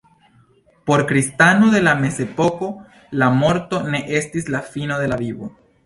Por kristano de la mezepoko la morto ne estis la fino de la vivo.